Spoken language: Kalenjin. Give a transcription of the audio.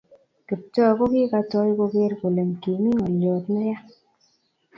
Kiptoo kokikatoi koger kole kimi ngolyot ne ya